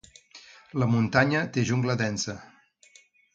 La muntanya té jungla densa.